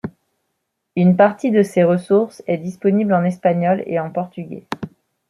Une partie de ces ressources est disponible en espagnol et en portugais.